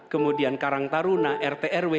kemudian karang taruna rt rw